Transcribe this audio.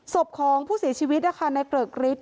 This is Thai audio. ศพของผู้เสียชีวิตในเกริกฤทธิ์